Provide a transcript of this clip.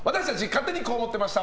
勝手にこう思ってました！